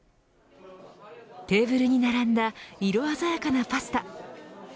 テーブルに並んだ色鮮やかなパスタ。